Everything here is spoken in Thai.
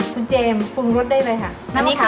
คุณเจมส์ปรุงรสได้เลยค่ะ